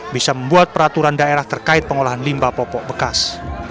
bisa membuat peraturan daerah terkait pengolahan limbah popok bekas